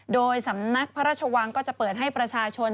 โดยสำนักพระราชวังก็จะเปิดให้ประชาชน